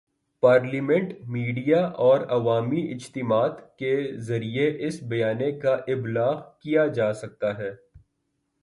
Parliament, media اور عوامی اجتماعات کے ذریعے اس بیانیے کا ابلاغ کیا جا سکتا ہے۔